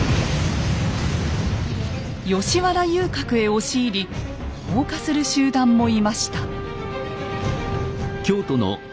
吉原遊郭へ押し入り放火する集団もいました。